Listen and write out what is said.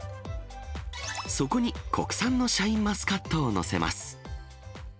そこに国産のシャインマスカットを載せます。